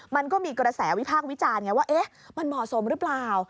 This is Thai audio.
มันก็มีกระแสวิพากษ์วิจารณ์ไงว่ามันเหมาะสมหรือเปล่า